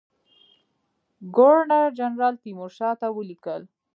ګورنر جنرال تیمورشاه ته ولیکل.